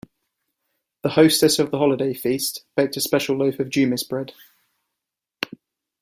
The hostess of the holiday feast baked a special loaf of Jumis bread.